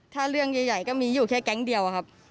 แต่มีเรื่องอยู่แค่แก๊งเดียว